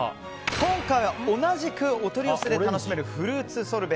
今回は同じくお取り寄せで楽しめるフルーツソルベ